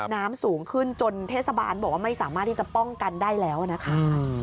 น้ำสูงขึ้นจนเทศบาลบอกว่าไม่สามารถที่จะป้องกันได้แล้วนะคะ